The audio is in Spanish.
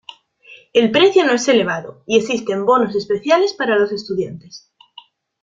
El precio no es elevado y existen bonos especiales para los estudiantes.